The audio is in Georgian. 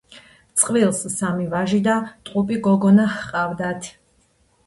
წყვილს სამი ვაჟი და ტყუპი გოგონა ჰყავთ.